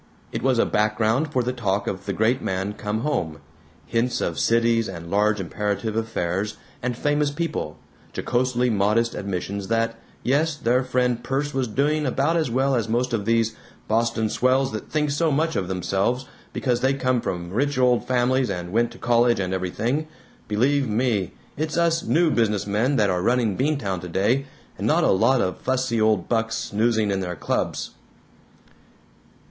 It was a background for the talk of the great man come home, hints of cities and large imperative affairs and famous people, jocosely modest admissions that, yes, their friend Perce was doing about as well as most of these "Boston swells that think so much of themselves because they come from rich old families and went to college and everything. Believe me, it's us new business men that are running Beantown today, and not a lot of fussy old bucks snoozing in their clubs!"